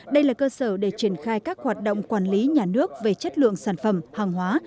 đây là cơ sở để triển khai các hoạt động quản lý nhà nước về chất lượng sản phẩm hàng hóa